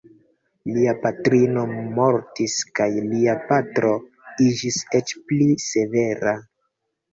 Lia patrino mortis kaj lia patro iĝis eĉ pli severa.